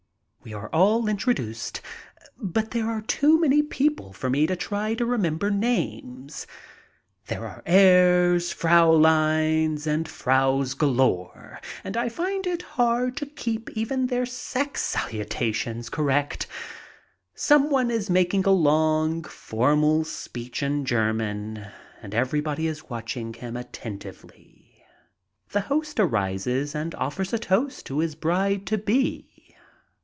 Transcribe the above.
We are all introduced, but there are too many people 122 MY TRIP ABROAD for me to try to remember names. There are herrs, frau leins, and fraus galore and I find it hard to keep even their sex salutations correct. Some one is making a long, formal speech in German, and everybody is watching him at tentively. The host arises and offers a toast to his bride to be.